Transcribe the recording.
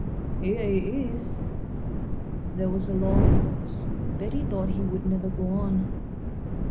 "Here he is." There was a long pause. Betty thought he would never go on.